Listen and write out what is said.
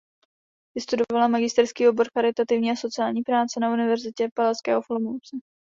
Vystudovala magisterský obor Charitativní a sociální práce na Univerzitě Palackého v Olomouci.